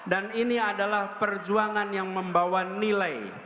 dan ini adalah perjuangan yang membawa nilai